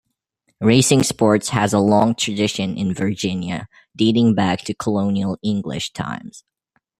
Racing sports has a long tradition in Virginia, dating back to colonial English times.